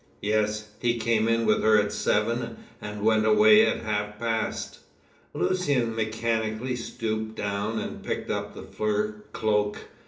"Yes. He came in with her at seven, and went away at half past." Lucian mechanically stooped down and picked up the fur cloak.